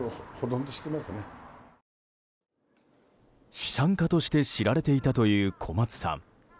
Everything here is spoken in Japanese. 資産家として知られていたという小松さん。